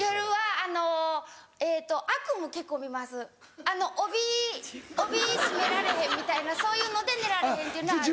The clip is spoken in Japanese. あの帯帯締められへんみたいなそういうので寝られへんっていうのはある。